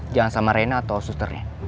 jangan sama rena atau susternya